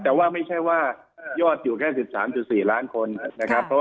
แต่ว่าไม่ใช่ว่ายอดอยู่แค่๑๓๔ล้านคนนะครับ